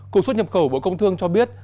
cục xuất nhập khẩu bộ công thương cho biết